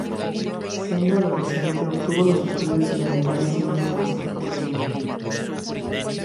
Siendo adolescente, obtuvo los estudios elementales y una formación profesional.